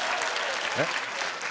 えっ？